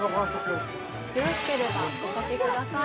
よろしければ、おかけください。